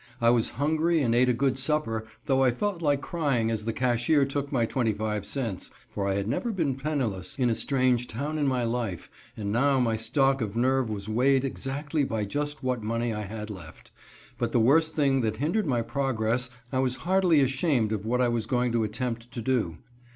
I was hungry and ate a good supper, though I felt like crying as the cashier took my twenty five cents, for I had never been penniless in a strange town in my life, and now my stock of nerve was weighed exactly by just what money I had left; but the worst thing that hindered my progress, I was heartily ashamed of what I was going to attempt to do.